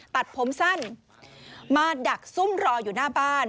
ตัดผมสั้นมาดักซุ่มรออยู่หน้าบ้าน